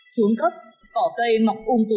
xuống cấp cỏ cây mọc ung tủ